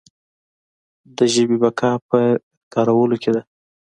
د ژبې بقا په کارولو کې ده.